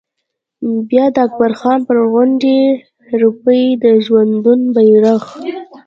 بیا د اکبر خان پر غونډۍ رپي د ژوندون بيرغ